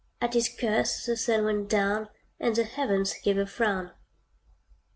At his curse the sun went down, And the heavens gave a frown.